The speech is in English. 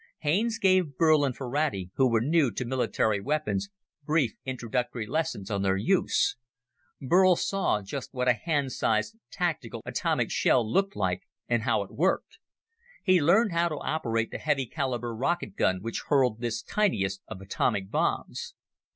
Haines gave Burl and Ferrati who were new to military weapons brief introductory lectures on their use. Burl saw just what a hand sized, tactical atomic shell looked like and how it worked. He learned how to operate the heavy caliber rocket gun which hurled this tiniest of atomic bombs.